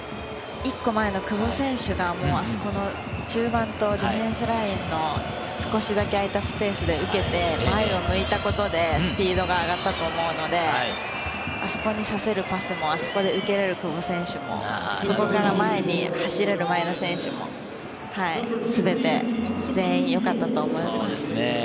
１個前の久保選手が中盤とディフェンスラインの少しだけ空いたスペースで受けて前を向いたことで、スピードが上がったと思うので、あそこにさせるパスも、あそこで受けれる久保選手も、横から前に走れる前田選手も全て全員良かったと思います。